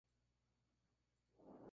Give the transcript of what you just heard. El crucifijo no es obra del mismo maestro.